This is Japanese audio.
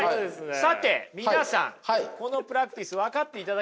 さて皆さんこのプラクティス分かっていただきました？